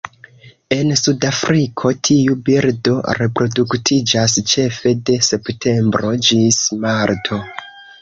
En Sudafriko, tiu birdo reproduktiĝas ĉefe de septembro ĝis marto.